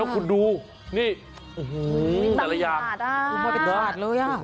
คุณดูนะตลอด